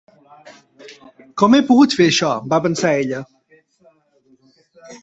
Com he pogut fer això?,va pensar ella.